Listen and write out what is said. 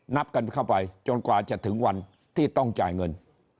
นับกันเข้าไปจนกว่าจะถึงวันที่ต้องจ่ายเงิน